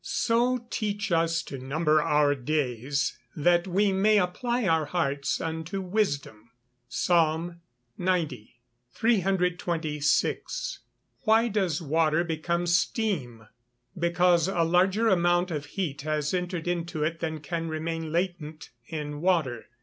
[Verse: "So teach us to number our days, that we may apply our hearts unto wisdom." PSALM XC.] 326. Why does water become steam? Because a larger amount of heat has entered into it than can remain latent in water.